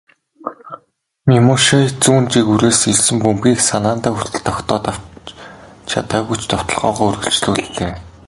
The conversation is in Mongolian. Мемушай зүүн жигүүрээс ирсэн бөмбөгийг санаандаа хүртэл тогтоож авч чадаагүй ч довтолгоогоо үргэлжлүүллээ.